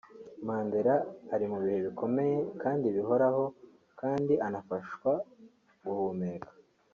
Mandela ari mu bihe bikomeye kandi bihoraho kandi anafashwa guhumeka